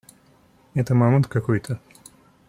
Это мамонт какой-то.